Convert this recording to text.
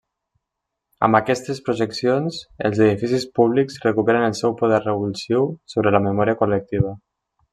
Amb aquestes projeccions, els edificis públics recuperen el seu poder revulsiu sobre la memòria col·lectiva.